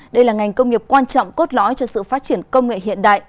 đây là ngành công nghiệp quan trọng cốt lõi cho sự phát triển công nghệ hiện đại